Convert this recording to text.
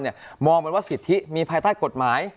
มองเหมือนว่าสิทธิมีภายใต้กฎหมาย